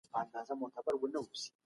نشه روغتیا او ژوند تباه کوي.